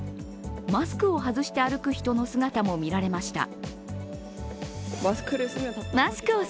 マスクを外して歩く人の姿も見られました。